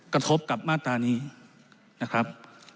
กระทบกับมาตรานี้นะครับ